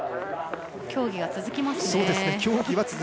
競技は続きますね。